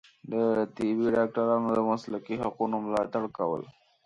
د طبي ډاکټرانو د مسلکي حقونو ملاتړ کول